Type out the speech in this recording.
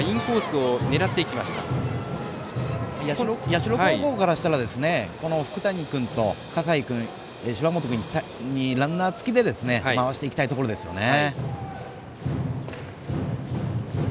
社高校からしたら福谷君と、笠井君、芝本君にランナー付きで回していきたいところですよね。